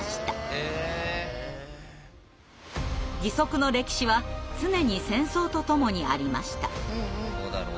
義足の歴史は常に戦争とともにありました。